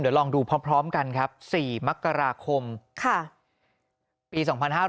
เดี๋ยวลองดูพร้อมกันครับ๔มกราคมปี๒๕๕๙